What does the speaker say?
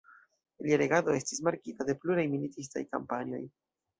Lia regado estis markita de pluraj militistaj kampanjoj.